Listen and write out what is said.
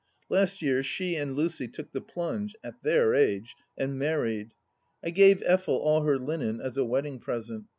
Last year she and Lucy took the plunge (at their age !) and married. I gave Effel all her linen as a wedding present.